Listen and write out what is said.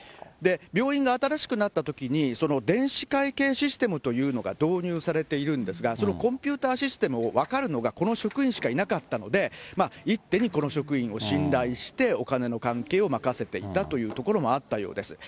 病院が新しくなったときに、電子会計システムというのが導入されているんですが、そのコンピューターシステムを分かるのが、この職員しかいなかったので、一手にこの職員を信頼して、お金の関係を任せていたというところもあったようです。